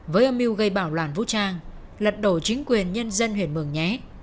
với âm mưu gây bạo loạn vũ trang lật đổ chính quyền nhân dân huyền mường nhé